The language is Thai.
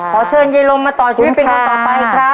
ขอเชิญยายลมมาต่อชีวิตเป็นคนต่อไปครับ